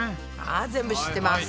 全部知ってます。